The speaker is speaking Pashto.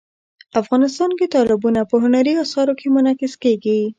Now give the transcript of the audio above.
افغانستان کې تالابونه په هنري اثارو کې منعکس کېږي.